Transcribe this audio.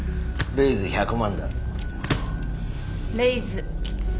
レイズ２００万。